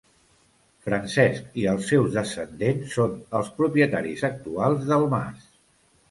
Francesc i els seus descendents són els propietaris actuals del mas.